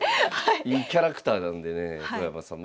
いいキャラクターなんでね横山さん